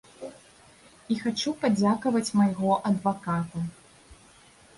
І хачу падзякаваць майго адваката.